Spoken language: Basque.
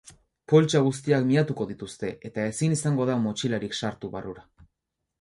Poltsa guztiak miatuko dituzte, eta ezin izango da motxilarik sartu barrura.